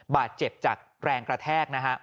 บาดเจ็บจากแรงกระแทกนะฮะ